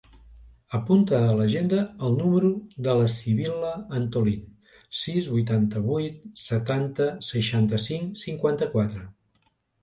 Apunta a l'agenda el número de la Sibil·la Antolin: sis, vuitanta-vuit, setanta, seixanta-cinc, cinquanta-quatre.